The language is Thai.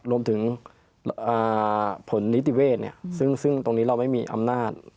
รวมถึงผลนิติเวศซึ่งตรงนี้เราไม่มีอำนาจ